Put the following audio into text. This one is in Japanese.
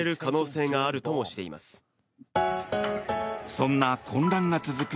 そんな混乱が続く